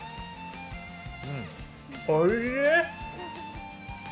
おいしい。